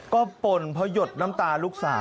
ก็ป่นเพราะหยดน้ำตาลูกสาว